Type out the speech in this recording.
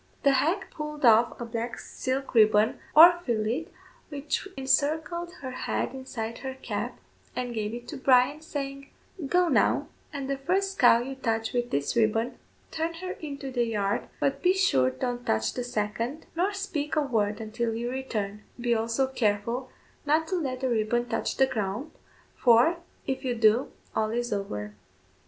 The hag pulled off a black silk ribbon or fillet which encircled her head inside her cap, and gave it to Bryan, saying "Go, now, and the first cow you touch with this ribbon, turn her into the yard, but be sure don't touch the second, nor speak a word until you return; be also careful not to let the ribbon touch the ground, for, if you do, all is over."